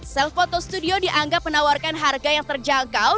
self photo studio dianggap menawarkan harga yang terjangkau